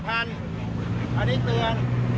อันนี้เตือน